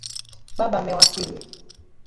Baba amewasili.